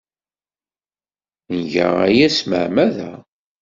Nga aya s tmeɛmada.